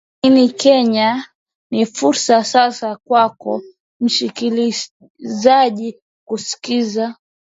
ini kenya ni fursa sasa kwako mshikilizaji kusikiliza